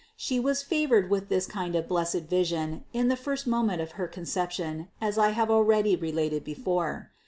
She was favored with this kind of blessed vision in the first moment of her Conception, as I have already related before (Supra, No.